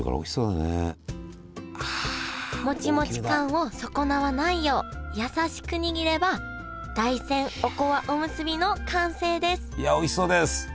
モチモチ感を損なわないよう優しく握れば大山おこわおむすびの完成ですいやおいしそうです！